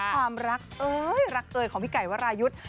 ความรักรักเตยของพี่ไก่บารายุทธ์